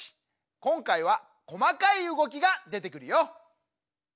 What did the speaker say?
こんかいはこまかいうごきがでてくるよ。